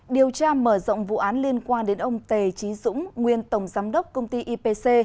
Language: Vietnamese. điều tra mở rộng vụ án liên quan đến ông tề trí dũng nguyên tổng giám đốc công ty ipc